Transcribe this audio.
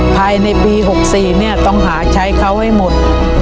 ภายในปี๖๔ต้องหาชายเขาให้หมด